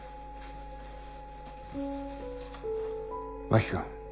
真木君